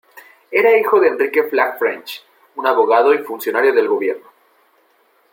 Era hijo de Enrique Flagg French, un abogado y funcionario del gobierno.